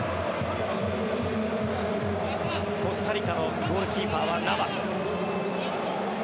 コスタリカのゴールキーパーはナバス。